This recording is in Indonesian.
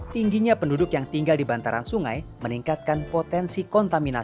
tingginya penduduk yang tinggal di kota jakarta yang diangkat juga termakan permukiman